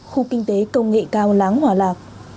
khu kinh tế công nghệ cao láng hòa lạc